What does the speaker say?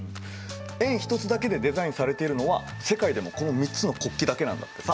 円１つだけでデザインされているのは世界でもこの３つの国旗だけなんだってさ。